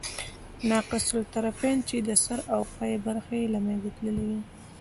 ناقص الطرفین، چي د سر او پای برخي ئې له منځه تللي يي.